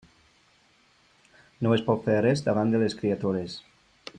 No es pot fer res davant de les criatures.